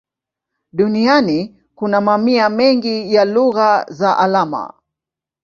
Duniani kuna mamia mengi ya lugha za alama.